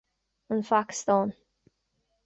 An Phacastáin